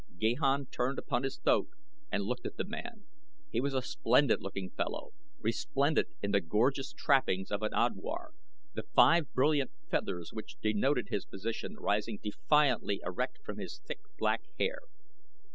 Gahan turned upon his thoat and looked at the man. He was a splendid looking fellow, resplendent in the gorgeous trappings of an Odwar, the five brilliant feathers which denoted his position rising defiantly erect from his thick, black hair.